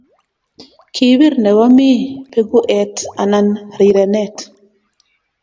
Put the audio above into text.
Kibir nebo mi beku et anan rirenet